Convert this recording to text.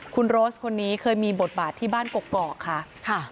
คุณโรสคนนี้เคยมีบทบาทที่บ้านกกอกค่ะ